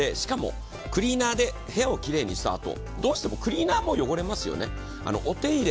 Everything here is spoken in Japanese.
しかも、クリーナーで部屋をきれいにしたあと、どうしてもクリーナーも汚れますよね。